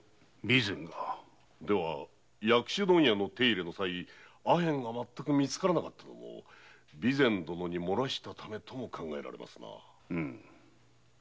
薬種問屋の手入れのさいアヘンが全く見つからなかったのも備前殿が洩らしたためとも考えられますな。